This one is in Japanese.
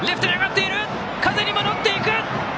風にも乗っていく！